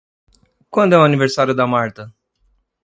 Quando é o aniversário da Marta?